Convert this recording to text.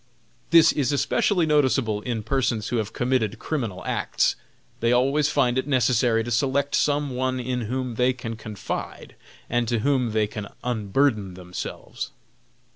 This is especially noticeable in persons who have committed criminal acts. They always find it necessary to select some one in whom they can confide and to whom they can unburden themselves.